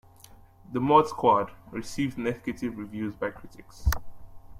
"The Mod Squad" received negative reviews by critics.